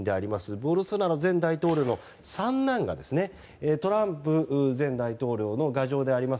ボルソナロ前大統領の三男がトランプ前大統領の牙城であります